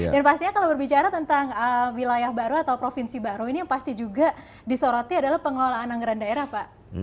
dan pastinya kalau berbicara tentang wilayah baru atau provinsi baru ini yang pasti juga disorotnya adalah pengelolaan anggaran daerah pak